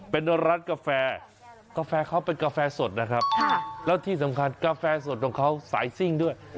เป็นร้านกาแฟกาแฟเขาเป็นกาแฟสดนะครับแล้วที่สำคัญกาแฟสดของเขาสายซิ่งด้วย